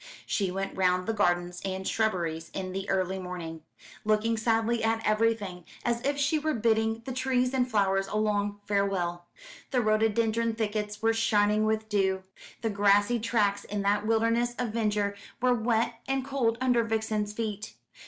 She went round the gardens and shrubberies in the early morning, looking sadly at everything, as if she were bidding the trees and flowers a long farewell. The rhododendron thickets were shining with dew, the grassy tracks in that wilderness of verdure were wet and cold under Vixen's feet.